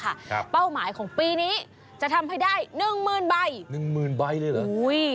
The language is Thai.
เป้าหมายของปีนี้จะทำให้ได้หนึ่งหมื่นใบหนึ่งหมื่นใบเลยเหรออุ้ย